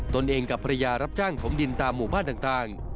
เองกับภรรยารับจ้างถมดินตามหมู่บ้านต่าง